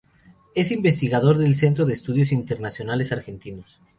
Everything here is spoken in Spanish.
Es investigador del Centro de Estudios Internacionales Argentino.